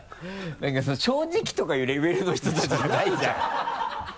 なんか正直とかいうレベルの人たちじゃないじゃん。